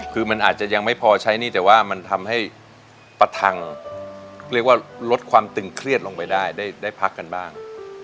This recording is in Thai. คือมันอาจจะยังไม่พอใช้หนี้แต่ว่ามันทำให้ประทังเรียกว่าลดความตึงเครียดลงไปได้ได้พักกันบ้าง